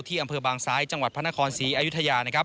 ที่อำเภอบางซ้ายจังหวัดพระนครศรีอยุธยา